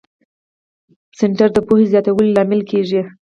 کورس د پوهې زیاتولو لامل کېږي.